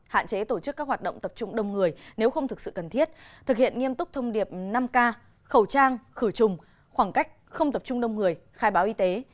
hạn chế tổ chức các hoạt động tập trung đông người nếu không thực sự cần thiết thực hiện nghiêm túc thông điệp năm k khẩu trang khử trùng khoảng cách không tập trung đông người khai báo y tế